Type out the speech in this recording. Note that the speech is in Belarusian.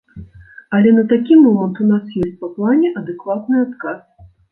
Але на такі момант у нас ёсць па плане адэкватны адказ.